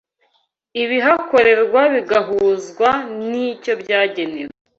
ibihakorerwa bigahuzwa n’icyo zagenewe